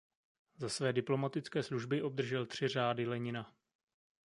Za své diplomatické služby obdržel tři Řády Lenina.